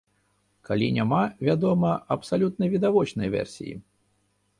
Калі няма, вядома, абсалютна відавочнай версіі.